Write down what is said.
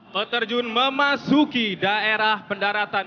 peterjun memasuki daerah pendaratan